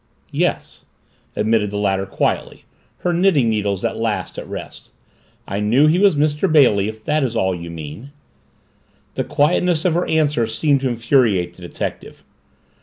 "Yes," admitted the latter quietly, her knitting needles at last at rest. "I knew he was Mr. Bailey if that is all you mean." The quietness of her answer seemed to infuriate the detective.